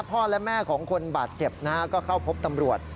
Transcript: พ่อและแม่ของคนบาดเจ็บนะฮะก็เข้าพบตำรวจ